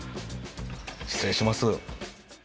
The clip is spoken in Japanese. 失礼します。